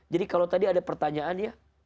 jadi kalau tadi ada pertanyaan ya